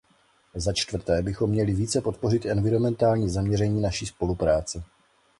Začtvrté bychom měli více podpořit environmentální zaměření naší spolupráce.